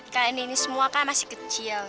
kn ini semua kan masih kecil